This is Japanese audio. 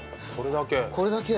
これだけ。